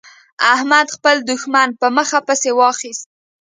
احمد خپل دوښمن په مخه پسې واخيست.